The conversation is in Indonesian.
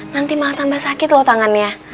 nanti malah tambah sakit loh tangannya